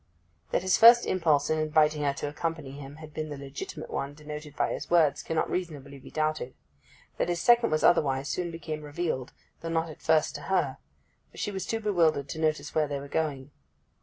That his first impulse in inviting her to accompany him had been the legitimate one denoted by his words cannot reasonably be doubted. That his second was otherwise soon became revealed, though not at first to her, for she was too bewildered to notice where they were going.